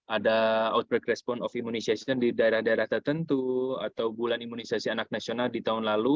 ada outbreak response of immunization di daerah daerah tertentu atau bulan imunisasi anak nasional di tahun lalu